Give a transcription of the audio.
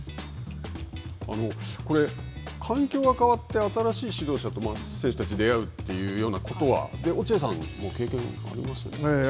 これ、環境が変わって、新しい指導者と選手たち、出会うというようなことは、落合さんも経験がありましたか。